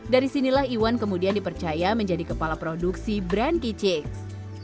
dari sinilah iwan kemudian dipercaya menjadi kepala produksi brand kicix